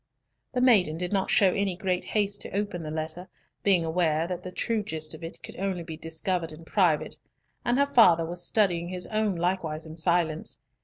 The maiden did not show any great haste to open the letter, being aware that the true gist of it could only be discovered in private, and her father was studying his own likewise in silence.